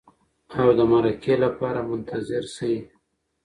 او د مرکې لپاره منتظر شئ.